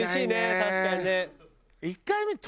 確かにね。